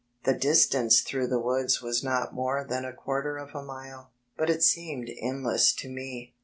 The distance through the woods was not more than a quarter of a mile, but it seemed endless to me.